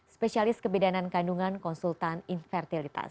spesialis kebidanan kandungan konsultan infertilitas